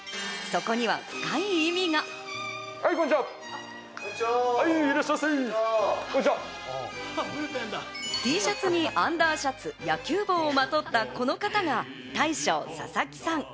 こんにちは、いらっしゃいまＴシャツにアンダーシャツ、野球帽をまとったこの方が大将・佐々木さん。